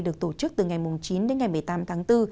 được tổ chức từ ngày chín đến ngày một mươi tám tháng bốn